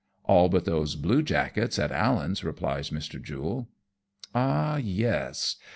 " "All but those bluejackets at Allen's," replies Mr. Jule. "Ah, yes